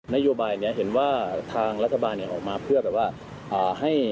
นโยบายนี้เห็นว่าทางรัฐบาลออกมาเพื่อแบบว่าให้